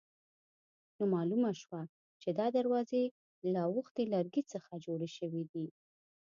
نو معلومه شوه چې دا دروازې له اوبښتي لرګي څخه جوړې شوې دي.